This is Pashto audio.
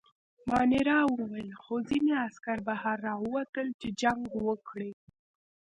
مانیرا وویل: خو ځینې عسکر بهر راووتل، چې جنګ وکړي.